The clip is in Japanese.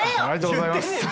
ありがとうございます。